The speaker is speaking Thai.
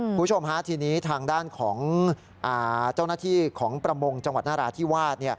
คุณผู้ชมฮะทีนี้ทางด้านของเจ้าหน้าที่ของประมงจังหวัดนราธิวาส